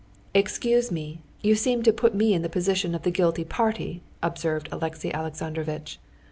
"Excuse me, you seem to put me in the position of the guilty party," observed Alexey Alexandrovitch.